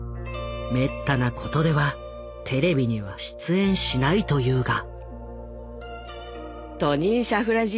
めったなことではテレビには出演しないというが。